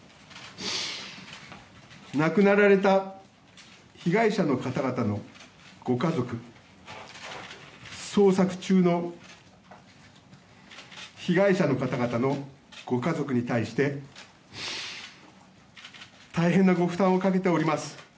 亡くなられた被害者の方々のご家族捜索中の被害者の方々のご家族に対して大変なご負担をかけております。